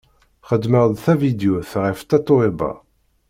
Xedmeɣ-d tavidyut ɣef Tatoeba.